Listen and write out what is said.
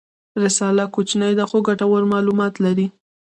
رساله کوچنۍ ده خو ګټور معلومات لري.